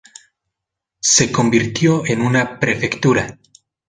Se convirtió en una prefectura.